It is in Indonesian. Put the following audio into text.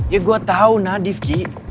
ya gue tahu nadif ki